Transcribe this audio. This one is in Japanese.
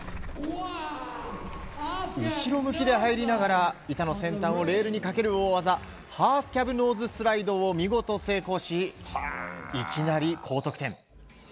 後ろ向きで入りながら板の先端をレールにかける大技ハーフキャブノーズスライドを見事成功し、いきなり高得点。